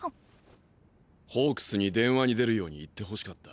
ホークスに電話に出るように言ってほしかった。